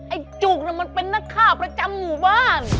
จุกมันเป็นนักฆ่าประจำหมู่บ้าน